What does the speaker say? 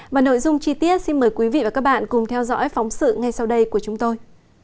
và nội dung chi tiết xin mời quý vị và các bạn cùng theo dõi phóng sự ngay sau đây của chúng tôi